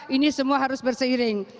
ini semua harus berseiring